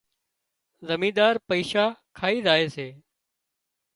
زمينۮار پئيشا کائي زائي سي